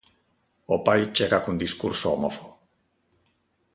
O pai chega cun discurso homófobo.